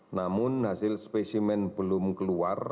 namun hasil spesimen belum keluar